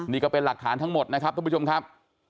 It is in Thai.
นี่ก็เป็นหลักฐานทั้งหมดนะครับทุกผู้ชมครับ